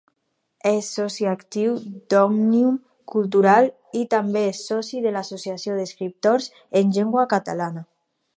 És soci actiu d'Òmnium Cultural i també és soci de l'Associació d'Escriptors en Llengua Catalana.